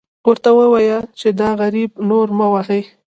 ورته ووایه چې دا غریب نور مه وهئ.